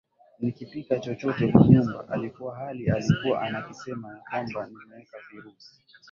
nikipika chochote kwa nyumba alikuwa hali alikuwa anakisema ya kwamba nimeweka virusi